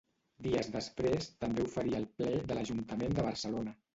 Dies després també ho faria el ple de l'Ajuntament de Barcelona.